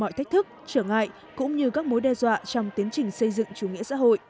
mọi thách thức trở ngại cũng như các mối đe dọa trong tiến trình xây dựng chủ nghĩa xã hội